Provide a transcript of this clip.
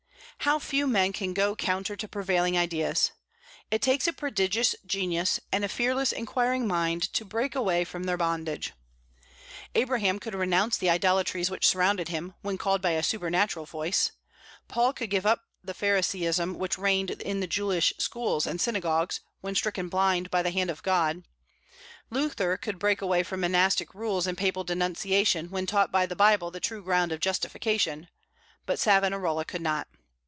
How few men can go counter to prevailing ideas! It takes a prodigious genius, and a fearless, inquiring mind, to break away from their bondage. Abraham could renounce the idolatries which surrounded him, when called by a supernatural voice; Paul could give up the Phariseeism which reigned in the Jewish schools and synagogues, when stricken blind by the hand of God; Luther could break away from monastic rules and papal denunciation, when taught by the Bible the true ground of justification, but Savonarola could not.